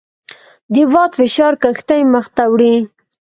د باد فشار کښتۍ مخ ته وړي.